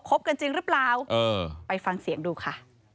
กันจริงหรือเปล่าไปฟังเสียงดูค่ะ